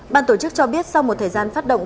ban tổ chức cho biết sau một thời gian phát động